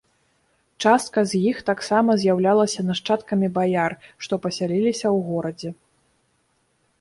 Частка з іх таксама з'яўлялася нашчадкамі баяр, што пасяліліся ў горадзе.